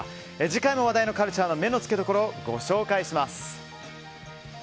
次回も話題のカルチャーの目のつけどころをご紹介します。